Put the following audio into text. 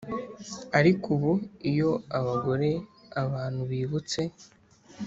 ariko ubu iyo abagore abantu bibutse